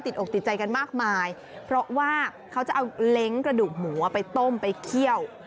อกติดใจกันมากมายเพราะว่าเขาจะเอาเล้งกระดูกหมูไปต้มไปเคี่ยว